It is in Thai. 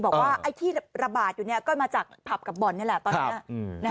บอกว่าไอ้ที่ระบาดอยู่ก็มาจากผับกับบ่อนนี่แหละตอนนี้